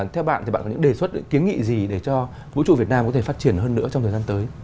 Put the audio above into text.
theo bạn thì bạn có những đề xuất những kiến nghị gì để cho vũ trụ việt nam có thể phát triển hơn nữa trong thời gian tới